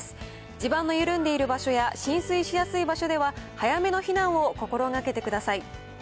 地盤の緩んでいる場所や浸水しやすい場所では、早めの避難を心がけてください。